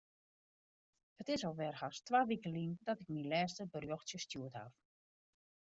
It is alwer hast twa wike lyn dat ik myn lêste berjochtsje stjoerd haw.